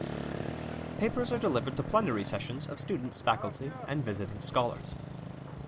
Papers are delivered to plenary sessions of students, faculty and visiting scholars.